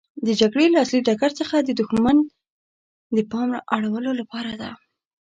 د جګړې له اصلي ډګر څخه د دښمن د پام اړولو لپاره ده.